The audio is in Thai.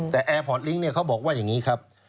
แต่แอร์พอร์ตลิงค์เขาบอกว่าอย่างนี้ครับ